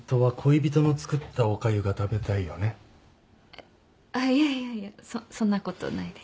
えっあっいやいやいやそっそんなことないです。